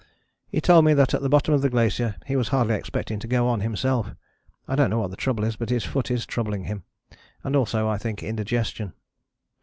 He told me that at the bottom of the glacier he was hardly expecting to go on himself: I don't know what the trouble is, but his foot is troubling him, and also, I think, indigestion."